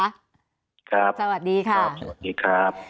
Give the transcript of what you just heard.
สวัสดีค่ะสวัสดีครับ